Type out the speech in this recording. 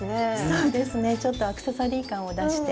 そうですねちょっとアクセサリー感を出して。